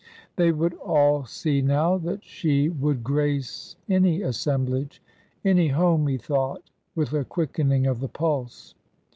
They would all see now that she would grace any assemblage— any home, he thought, with a quickening of the pulse.